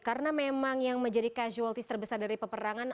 karena memang yang menjadi casualty terbesar dari peperangan